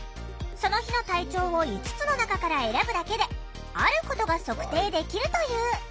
その日の体調を５つの中から選ぶだけであることが測定できるという。